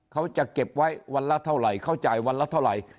เขาจะเก็บไว้วันละเท่าไหร่เขาจ่ายวันละเท่าไหร่